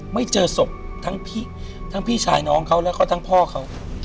ไม่เจอเลยไม่เจอศพทั้งพี่ทั้งพี่ชายน้องเขาแล้วก็ทั้งพ่อเขา